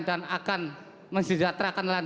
dan akan mensejahterakan nelayan